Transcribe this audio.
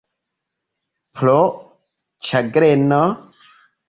Pro ĉagreno?